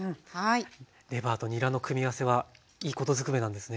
レバーとにらの組み合わせはいいことずくめなんですね。